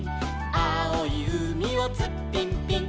「あおいうみをツッピンピン」